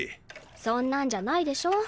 そんなんじゃないでしょ。